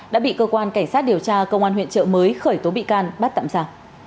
đã bị cơ quan cảnh sát điều tra công an huyện trợ mới khởi tố bị can bắt tạm giả